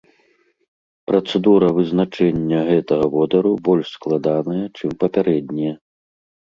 Працэдура вызначэння гэтага водару больш складаная, чым папярэднія.